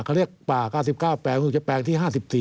เขาเรียกป่า๙๙แปลงคือจะแปลงที่๕๔